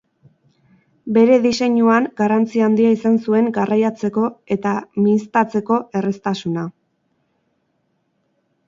Bere diseinuan garrantzi handia izan zuen garraiatzeko eta mihiztatzeko erraztasuna.